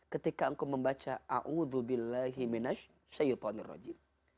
ketika engkau membaca a'udzubillahimina syaitanirrojim